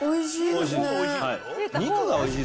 おいしい。